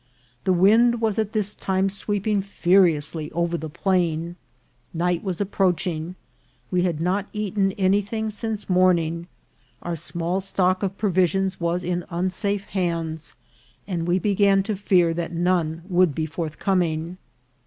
The wind was at this time sweeping furious ly over the plain. Night was approaching ; we had not eaten anything since morning ; our small stock of pro visions was in unsafe hands, and we began to fear that none would be forthcoming.